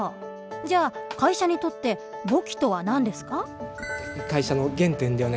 じゃあ会社にとって簿記とは何ですか？